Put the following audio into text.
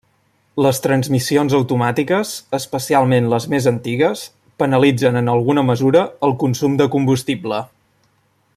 Les transmissions automàtiques, especialment les més antigues, penalitzen en alguna mesura el consum de combustible.